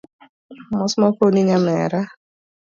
Mos ma okowni nyamera